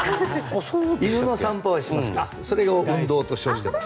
犬の散歩はしますけどそれを運動と称しています。